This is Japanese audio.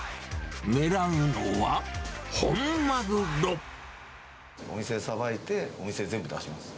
狙うのは、お店でさばいて、お店で全部出します。